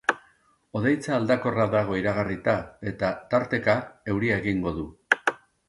Hodeitza aldakorra dago iragarrita, eta, tarteka, euria egingo du.